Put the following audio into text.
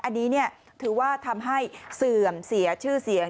อันนี้ถือว่าทำให้เสื่อมเสียชื่อเสียง